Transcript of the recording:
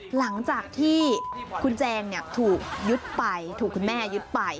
หลังจากที่คุณแจงถูกยึดไปถูกคุณแม่ยึดไป